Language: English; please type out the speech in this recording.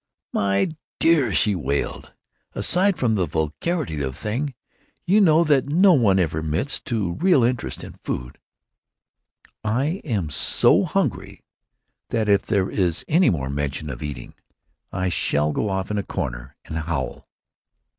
"My dear," she wailed, "aside from the vulgarity of the thing—you know that no one ever admits to a real interest in food—I am so hungry that if there is any more mention of eating I shall go off in a corner and howl.